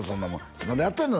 「いつまでやってんの？